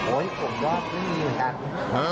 ผมก็ไม่มีเหมือนกัน